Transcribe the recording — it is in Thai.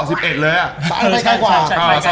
ไปใกล้กว่า